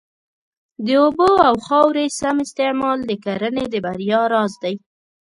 د اوبو او خاورې سم استعمال د کرنې د بریا راز دی.